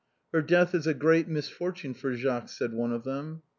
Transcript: " Her death is a great misfortune for Jacques," said one of them.